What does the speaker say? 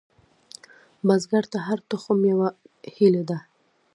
بزګر ته هره تخم یوه هیلې ده